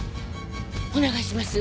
お願いします。